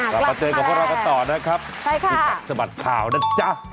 กลับมาเจอกับพวกเรากันต่อนะครับคู่กัดสะบัดข่าวนะจ๊ะ